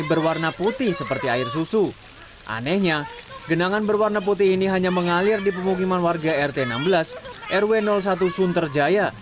menurut warga hal ini baru sekali terjadi di lingkungannya